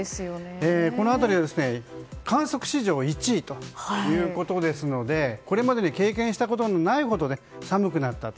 この辺りは観測史上１位ということですのでこれまでに経験したことのないほどに寒くなったと。